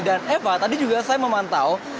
dan eva tadi juga saya memantau